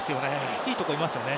いいところにいましたね。